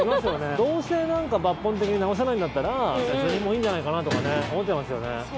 どうせ抜本的に治せないんだったらそれでもいいんじゃないかなとか思っちゃいますよね。